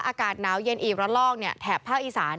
อากาศน้าวเย็นอีกร่อนร่องแถบพระอีสาน